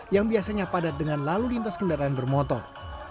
yang biasanya padat dengan lalu lintas kendaraan bermotor